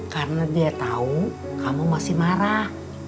karena dia tahu kamu masih marah